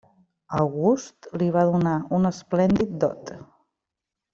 August li va donar un esplèndid dot.